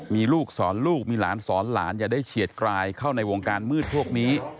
มีลูกสอนลูกมีหลานสอนหลานอย่าได้เฉียดกลายเข้าในวงการมืดพวกนี้